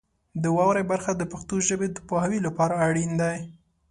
د واورئ برخه د پښتو ژبې د پوهاوي لپاره اړین دی.